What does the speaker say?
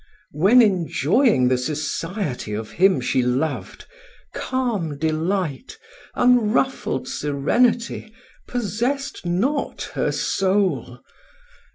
When enjoying the society of him she loved, calm delight, unruffled serenity, possessed not her soul.